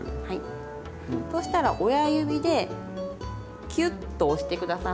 そうしたら親指でキュッと押して下さい。